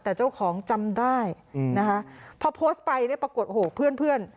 แต่เจ้าของจำได้นะคะพอโพสต์ไปเนี่ยปรากฏโหกเพื่อนเพื่อน